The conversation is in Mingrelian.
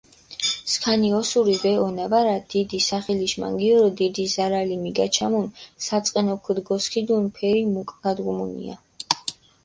სქანი ოსური ვეჸონა ვარა, დიდი სახელიშ მანგიორო დიდი ზარალი მიგაჩამუნ, საწყენო ქჷდგოსქიდუნ ფერი მუკგადგუმუნია.